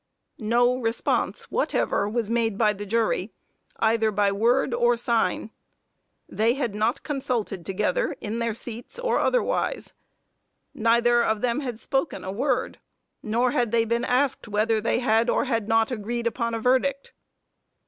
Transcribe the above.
No response whatever was made by the jury, either by word or sign. They had not consulted together in their seats or otherwise. Neither of them had spoken a word. Nor had they been asked whether they had or had not agreed upon a verdict.